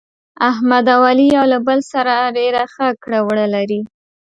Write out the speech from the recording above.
احمد او علي یو له بل سره ډېر ښه کړه وړه لري.